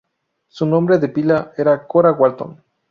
Su nombre de pila era Cora Walton.